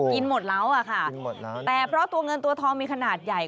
กินหมดแล้วค่ะแต่เพราะตัวเงินตัวทองมีขนาดใหญ่